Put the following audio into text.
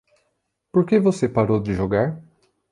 Por que você parou de jogar?